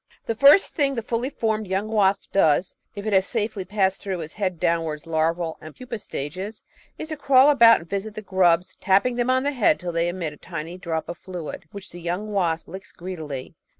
The first thing 530 The Outline of Science the fully formed young wasp does, if it has safely passed through its head downwards larval and pupal stages, is to crawl about and visit the grubs, tapping them on the head till they emit a tiny drop of fluid, which the young wasp licks greedily.